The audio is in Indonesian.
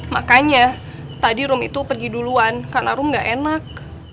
makanya tadi room itu pergi duluan karena room gak enak